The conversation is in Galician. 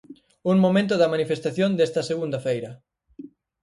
Un momento da manifestación desta segunda feira.